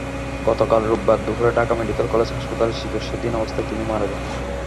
গতকাল রোববার দুপুরে ঢাকা মেডিকেল কলেজ হাসপাতালে চিকিৎসাধীন অবস্থায় তিনি মারা যান।